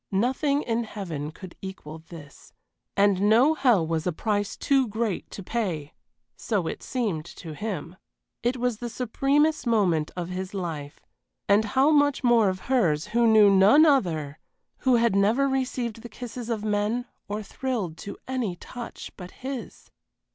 Nothing in heaven could equal this, and no hell was a price too great to pay so it seemed to him. It was the supremest moment of his life; and how much more of hers who knew none other, who had never received the kisses of men or thrilled to any touch but his!